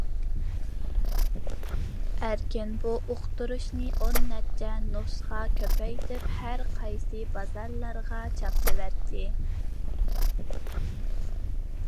ئەركىن بۇ ئۇقتۇرۇشنى ئون نەچچە نۇسخا كۆپەيتىپ، ھەر قايسى بازارلارغا چاپلىۋەتتى.